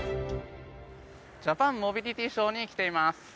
「ジャパンモビリティショー」に来ています。